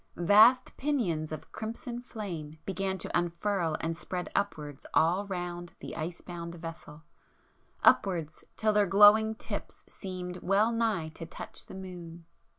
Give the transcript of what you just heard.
—vast pinions of crimson flame began to unfurl and spread upwards all round the ice bound vessel,—upwards till their glowing tips seemed well nigh to touch the moon.